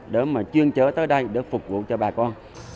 để mà chuyên chở tới đây để phục vụ cho bà con